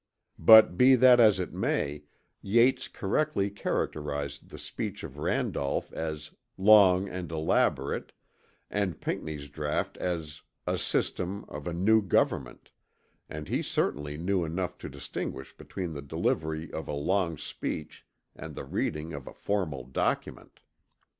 But be that as it may, Yates correctly characterized the speech of Randolph as "long and elaborate," and Pinckney's draught as a "system" of a "new government"; and he certainly knew enough to distinguish between the delivery of a long speech and the reading of a formal document.